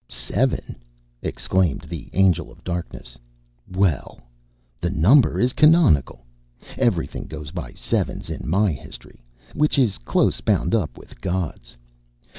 "Seven!" exclaimed the Angel of Darkness; "well! the number is canonical. Everything goes by sevens in my history, which is close bound up with God's.